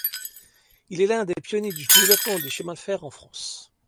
Il est l'un des pionniers du développement des chemins de fer en France.